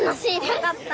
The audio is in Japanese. よかった。